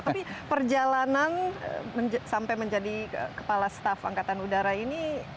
tapi perjalanan sampai menjadi kepala staf angkatan udara ini